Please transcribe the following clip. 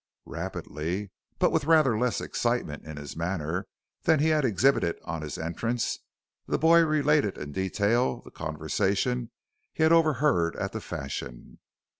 Rapidly, but with rather less excitement in his manner than he had exhibited on his entrance, the boy related in detail the conversation he had overheard at the Fashion.